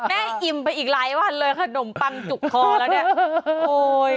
อิ่มไปอีกหลายวันเลยขนมปังจุกคอแล้วเนี่ย